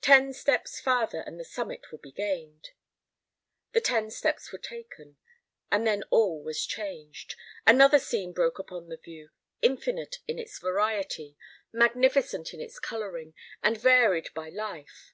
Ten steps farther, and the summit will be gained! The ten steps were taken, and then all was changed. Another scene broke upon the view, infinite in its variety, magnificent in its colouring, and varied by life.